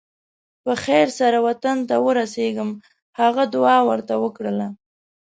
په خیر سره وطن ته ورسېږم هغه دعا ورته وکړله.